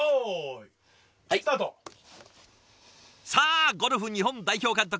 さあゴルフ日本代表監督